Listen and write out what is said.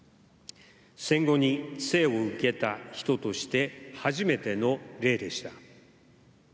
戦後に生を受けた人として初めての例でした。